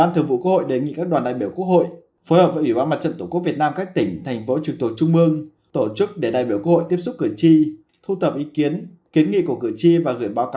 tổng hợp với ủy ban mặt trận tổng quốc việt nam các tỉnh thành phố trung mương tổ chức để đại biểu cửa chi tiếp xúc cửa chi và gửi báo cáo quốc hội